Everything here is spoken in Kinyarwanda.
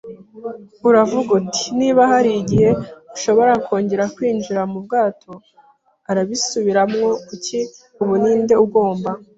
Uravuga uti: “Niba hari igihe ushobora kongera kwinjira mu bwato?” arabisubiramo. “Kuki, ubu, ninde ugomba